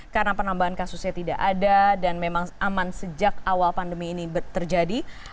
karena penambahan kasusnya tidak ada dan memang aman sejak awal pandemi ini terjadi